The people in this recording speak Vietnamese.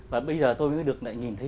và bây giờ tôi mới được nhìn thấy